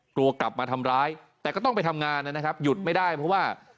กลัวกลับมาทำร้ายแต่ก็ต้องไปทำงานนะครับหยุดไม่ได้เพราะว่า